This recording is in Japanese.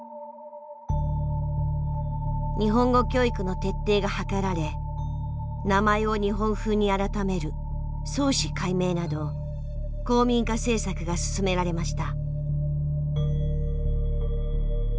日本語教育の徹底が図られ名前を日本風に改める「創氏改名」など皇民化政策が進められました。